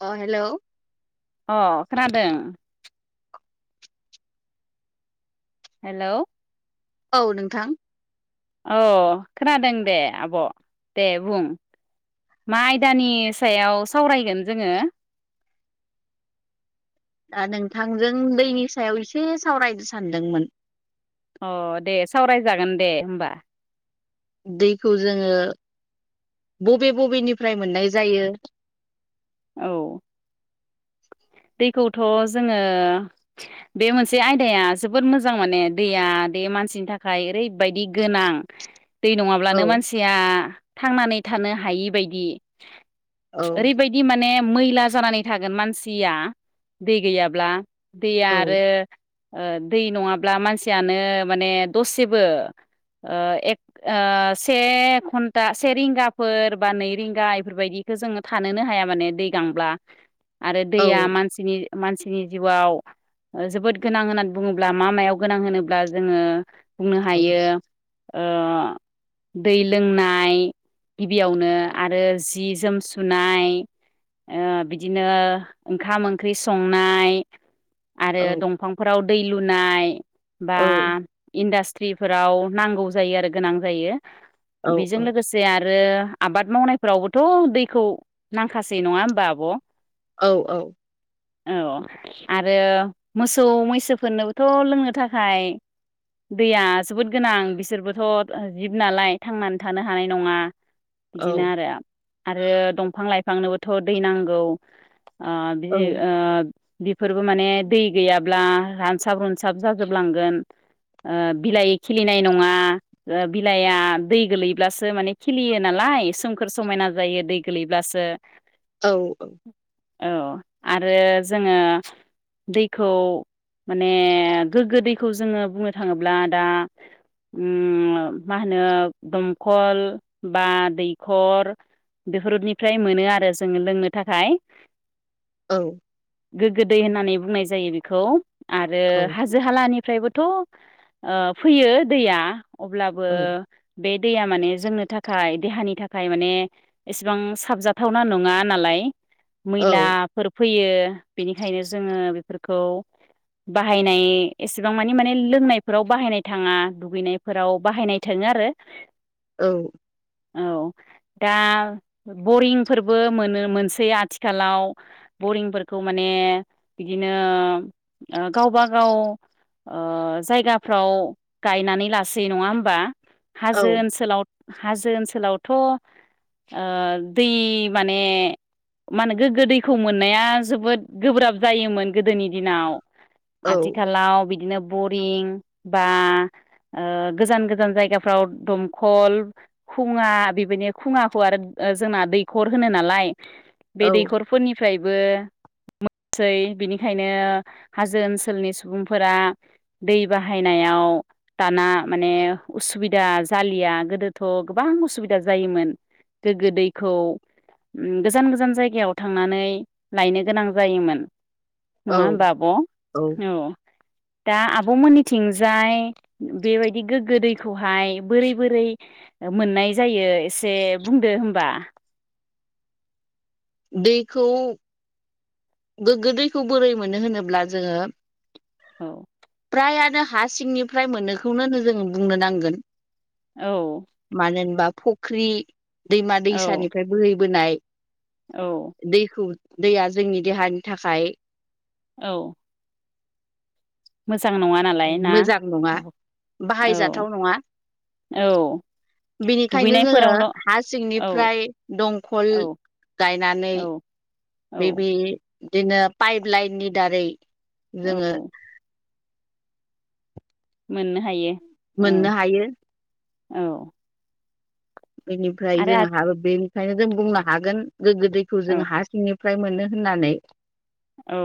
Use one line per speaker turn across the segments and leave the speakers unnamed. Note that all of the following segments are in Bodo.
अ हेलौ।
अ खोनादों? हेलौ।
औ नोंथां।
औ खोनादों दे आब' दे बुं। मा आयदानि सायाव सावरायगोन जोङो?
दा नोंथांजों दैनि सायाव एसे सावरायनो सानदोंमोन
अ दे सावरायजागोन दे होमबा।
दैखौ जोङो बबे बबेनिफ्राय मोननाय जायो
औ। दैखौथ' जोङो बे मोनसे आयदाया जोबोद मोजां माने दैया मानसिनि थाखाय ओरैबायदि गोनां दै
औ
नङाब्लानो मानसिया थांनानै थानो हायि बायदि।
औ
ओरैबायदि माने मैला जानानै थागोन मानसिया दै गैयाब्ला दैया
औ
आरो ओ दै नङाब्ला मानसियानो माने दसेबो ओ एक ओ से घन्टा से रिंगाफोर बा नै रिंगा इफोरबायदि, गो जोङो थानोनो हाया माने दै गांब्ला आरो
औ
दैया मानसिनि मानसिनि जिउआव ओ जोबोद गोनां होननानै बुङोब्ला मा मायाव गोनां होनोब्ला जोङो बुंनो
औ
हायो। ओ दै लोंनाय गिबियावनो आरो जि जोम सुनाय ओ बिदिनो, ओंखाम ओंख्रि संनाय आरो
औ
दंफांफोराव दै लुनाय, बा
औ
इन्डास्ट्रिफोराव नांगौ जायो आरो गोनां जायो।
औ
बेजों लोगोसे आर रो आबाद मावनायफोरावबोथ' दैखौ नांखासै नङा होमबा आब'?
औ औ
औ आरो मोसौ मैसोफोरनोबोथ' लोंनो थाखाय, दैया जोबोद गोनां बिसोरबोथ' जिब नालाय थांनानै थानो हानाय नङा। बिदिनो
औ
आरो आरो दंफां लाइफांनोबोथ' दै नांगौ। ओ
औ
बिदि ओ बेफोबो माने दै गैयाबा रानसाब रुसाब जाजोब लांगोन, ओ बिलाइ खिलिनाय नङा ओ बिलाइया दै गोलैब्लासो माने खिलियो नालाय। आइ सोमखोर समायना जायो दै गोलैब्लासो।
औ औ
औ आरो जोङो दैखौ, माने गोग्गो दैखौ जोङो बुंङो थाङोब्ला दा, ओम मा होनो दमखल बा दैखर, बेफोरनिफ्राय मोनो आरो जोङो लोंनो थाखाय।
औ
गोग्गो दै होननानै बुंनाय जायो बेखौ। आरो हाजो हालानि फ्रायबोथ' ओ फैयो दैया अब्लाबो बे दैया माने जोंनो थाखाय देहानि थाखाय माने एसेबां साबजाथावना नङा नालाय, मैलाफोर फैयो बेनिखायनो जोङो बेफोरखौ, बाहायनाय एसेबां मानि माने लोंनायफोराव बाहायनाय थाङा दुगैनायफोराव बाहायनाय थों बेनो आरो
औ
औ दा बरिंफोरबो मोनो मोनसै आथिख आथिखालाव बरिंफोरखौ माने बिदिनो ओ गावबा गाव, ओ जायगाफ्राव गायनानै लासै नङा होमबा? हाजो ओनसोलाव, हाजो ओनसोलावथ' ओ दै माने, मानो गोग्गो दैखौ मोननाया जोबोद गोब्राब जायोमोन गोदोनि दिनाव आथिखालाव बिदिनो बरिं बा ओ गोजान गोजान जायगाफ्राव दमखल खुङा बेबायदि खुङाखौ आरो ओ जोंना दैखर होनो नालाय बे
औ औ
दैखरफोरनि फ्रायबो मोनसै बिनिखायनो हाजो ओनसोलनि सुबुंफोरा दै बाहायनायाव, [unintelligible] दाना माने उसुबिदा जालिया गोदोथ' गोबां उसुबिदा जायोमोन। गोग्गो दैखौ गोजान गोजान जाय जायगाव थांनानै लायनो गोनां जायोमोन। नङा
औ
होनबा आब' औ दा आबमोननिथिंजाय बेबायदि गोग्गो दैखौहाय बोरै बोरै मोननाय जायो एसे बुंदो होमबा,
दैखौ गोग्गो दैखौ बोरै मोनो होनोब्ला जोङो,
औ
हायानो हा सिंनिफ्राय मोननोखौनो जो बुंनो नांगोन
औ
मानो होनबा फुख्रि दैमा
औ
दैसानिफ्राय बोहैबोनाय
औ
दैखौ दैया जोंनि देहानि थाखाय
औ। मोजां नङा नालाय ना?
मोजां नङा
औ
बाहायजाथाव
औ
बिनिखायनो जोङो
दुगैनायफोरावल'
हा
औ
सिंनिफ्राय दंखल
औ
गायनानै
औ औ
बेब बिदिनो पाइप लाइननि दारै
औ
जोङो
मोननो हायो। औ
मोननो हायो।
औ।
बेनिफ्राय
आरो
जोंहाबो बेनिखायनो जों बुंनो हागोन गोग्गो दैखौ
औ
जों हा सिंनि फ्राय मोनो होननानै।
औ।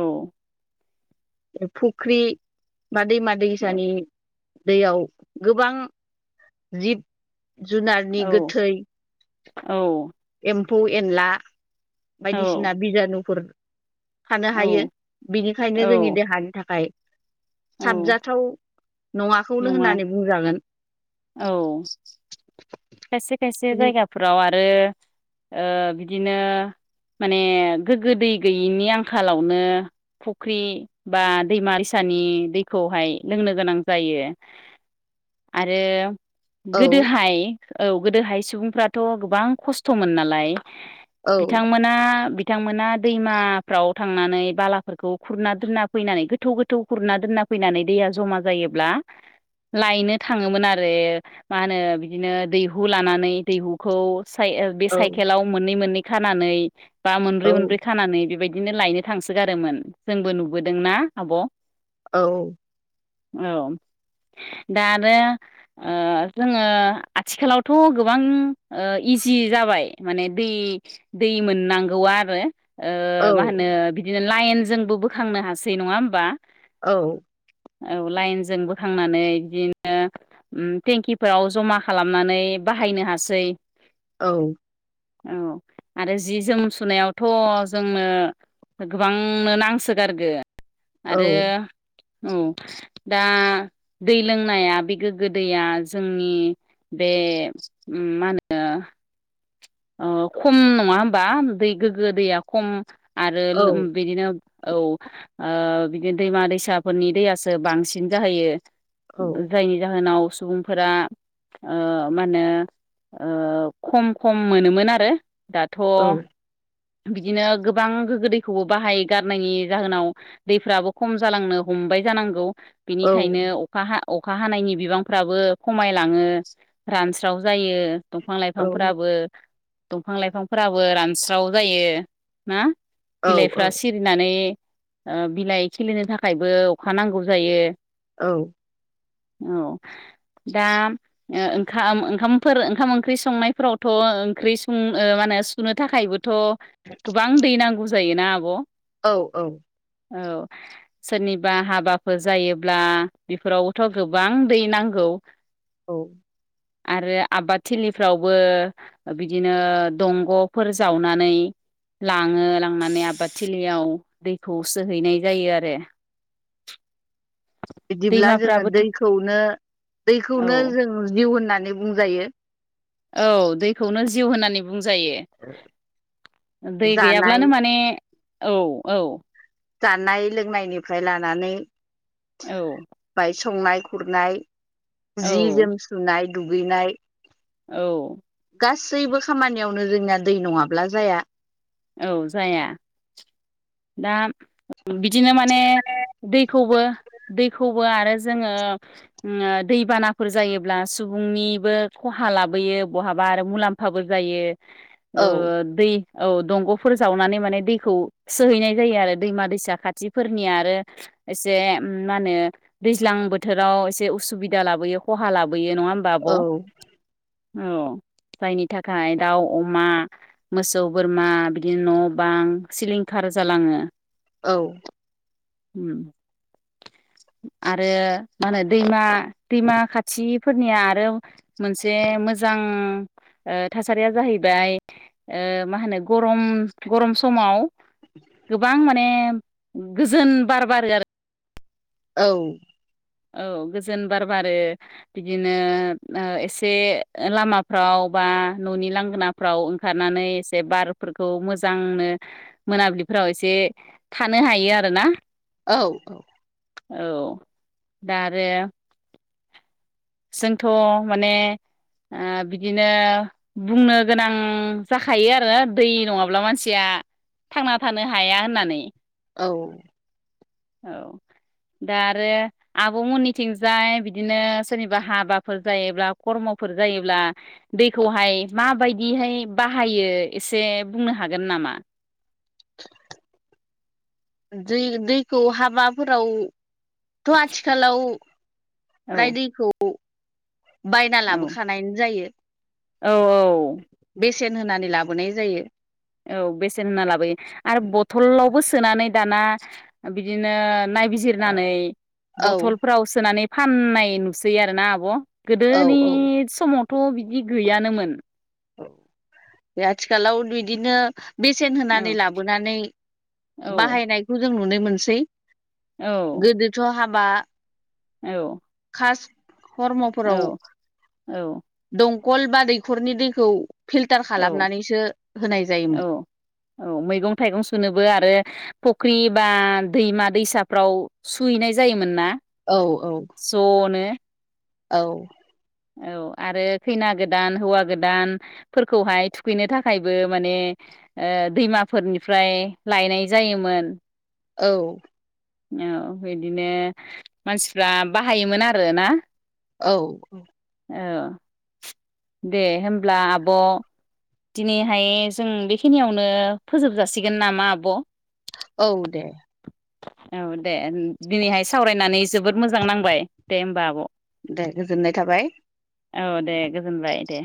फुख्रि बा दैमा दैसानि दैयाव गोबां जिब
औ
जुनारनि गोथै
औ।
एम्फौ एनला
औ
बायदिसिना बिजानुफोर थानो हायो बिनिखायनो जोंनि देहानि थाखाय
औ
साबजाथाव नङाखौनो
नङा
होननानै बुंजागोन।
औ खायसे खायसे जायगाफोराव आरो ओ बिदिनो माने गोग्गो दै गैयिनि आंखालावनो फुख्रि बा दैमा दैसा नि दैखौहाय लोंनो गोनां जायो। आरो
औ
गोदोहाय औ गोदोहाय सुबुंफ्राथ' गोबां खस्थ'मोन नालाय
औ
बिथांमोना बिथांमोना दैमाफ्राव थांनानै बालाफोरखौ खुरना दुरना फैनानै गोथौ गोथौ खुरना दोनना फैनानै दैया जमा जायोब्ला लायनो थाङोमोन आरो मा होनो बिदिनो दैहु लानानै दैहुखौ साइ बे
औ
साइकेलाव मोननै मोननै खानानै बा
औ
मोनब्रै मोनब्रै खानानै बेबायदिनो लायनो थांसोगारोमोन जोंबो नुबोदोंना आब'?
औ।
औ दा आरो ओ जोङो आथिखालावथ' गोबां इजि जाबाय माने दै दै मोननांगौआ आरो
औ
मा होनो बिदिनो लाइनजोंबो बोखांनो हासै नङा होमबा?
औ।
औ लाइनजों बोखांनानै बिदिनो टेंकिफोराव जमा खालामनानै बाहायनो हासै।
औ।
औ। आरो जि जोम सुनायावथ' जोंनो गोबांनो नांसोगारगो।
औ
आरो औ दा दै लोंनाया बे गोग्गो दैया जोंनि बे मा होनो अ खम नङा होमबा दै गोग्गो दैया खम आरो
औ
बिदिनो औ बिदिनो दैमा दैसाफोरनि दैयासो बांसिन जाहैयो
औ
जायनि जाहोनाव सुबुंफोरा ओ माहोनो ओ खम खम मोनोमोन आरो दाथ' बिदिनो गोबां गोग्गो दैखौबो बाहाय गारनायनि जाहोनाव दैफ्राबो खम जालांनो हम बाय जानांगौ
औ
बिनिखायनो अखा अखा हानायनि बिबांफ्राबो खमायलाङो रानस्राव जायो। दंफां लाइफांफोराबो दंफां लाइफांफोराबो रानस्राव जायो ना?
औ
बिलाइफ्रा सिरिनानै बिलाइ खिलिनो थाखायबो अखा नांगौ जायो।
औ।
औ दा ओ ओंखाम ओंखामफोर ओंखाम ओंख्रि संनायफोरावथ' ओंख्रि सं माने सुनो थाखायबोथ' गोबां दै नांगौ जायोना आब'
औ औ।
औ सोरनिबा हाबाफोर जायोब्ला बेफोरावबोथ' गोबां दै नांगौ। औ।
औ
आरो आबाद थिलिफ्रावबो बिदिनो दंग'फोर जावनानै लाङो लांनानै आबाद थिलियाव दैखौ सोहैनाय जायो आरो
[inaudible] बिदिब्ला जोङो
दैमाफ्राबोथ'
दैखौनो
औ
दैखौनो जों जिउ होननानै होननानै बुंजायो।
औ दैखौनो जिउ होननानै बुंजायो दै
जानाय
गैयाब्लानो माने औ औ
जानाय लोंनायनिफ्राय लानानै
औ।
बाय संनाय खुरनाय
औ
जि जोम सुनाय दुगैनाय
औ।
गासैबो खामानियावनो जोंना दै नङाब्ला जाया।
औ जाया दा बिदिनो माने दैखौबो दैखौ आरो जोङो दैबानाफोर जायोब्ला सुबुंनिबो खहा लाबोयो बहाबा आरो मुलाम्फाबो जायो। ओ
औ
दै औ दंग'फोर जावनानै माने दैखौ सोहैनाय जायो आरो दैमा दैसा खाथिफोरनिया आरो एसे मा होनो दैज्लां बोथोराव एसे उसुबिदा लाबोयो खहा लाबोयो नङा होमबा आब'
औ
औ। जायनि थाखाय दाउ अमा मोसौ बोरमा बिदिनो न' बां सिलिं खार जालाङो।
औ।
उम।
[inaudible]
आरो मा होनो दैमा दैमा खाथिफोरनिया आरो मोनसे मोजां
[inaudible]
थासारिया जाहैबाय मा होनो गरम गरम समाव गोबां माने गोजोन बार बारो आरो
औ।
औ गोजोन बार बारो बिदिनो ओ एसे लामाफ्राव बा न'नि लांगोनाफ्राव ओंखारनानै एसे बारफोरखौ मोजांनो मोनाब्लि फोराव एसे थानो हायो आरो ना
औ
औ दा आरो जोंथ' माने ओ बिदिनो बुंनो गोनां जाखायो आरो दै नङाब्ला मानसिया थांना थानो हाया होननानै
औ।
औ दा आरो आब'मोननिथिंजाय बिदिनो सोरनिबा हाबाफोर जायोब्ला, खर्मफोर जायोब्ला दैखौहाय माबायदिहाय बाहा बाहायो एसे बुंनो हागोन नामा?
[unintelligible] दै -दैखौ हाबाफोराव थ' आथिखालाव
औ
फ्राय दैखौ बायना
औ
लाबोखानायानो जायो।
औ औ।
बेसेन होनानै लाबोनाय जायो।
औ बेसेन होनना लाबोयो आरो बथलावबो सोनानै दाना बिदिनो [unintelligible] बिजिरनानै
औ
बथलफ्राव सोनानै फाननाय नुसै आरो ना आब'?
औ
गोदोनि
औ
समावथ' बिदि गैयानोमोन।
औ बे आथिखालाव बिदिनो बेसेन होनानै
औ
लाबोनानै
औ
बाहायनायखौ जों नुनो मोनसै।
औ
गोदोथ' हाबा
औ।
फास
औ
खर्मफोराव
औ
दंखल बा दैखरनि दैखौ फिलटार
औ
खालामनानैसो होनाय जायोमोन
औ औ मैगं -थाइगं सुनोबो आरो फख्रि बा दैमा -दैसाफ्राव सुहैनाय जायोमोन ना?
औ
ज'नो।
औ।
औ आरो खैना गोदान, हौवा गोदानफोरखौहाय थुखैनो थाखायबो माने ओ दैमाफोरनिफ्राय लायनाय जायोमोन।
औ।
औ बिदिनो मानसिफ्रा बाहायोमोन आरो ना।
औ।
औ दे होब्ला आब'। दिनैहाय जों बेखिनियावनो फोजोब जाासिगोन नामा आब'?
औ दे।
औ दे दिनैहाय सावरायनानै जोबोद मोजां नांबाय दे होमबा आब'।
दे गोजोननाय थाबाय।
औ दे गोजोनबाय दे।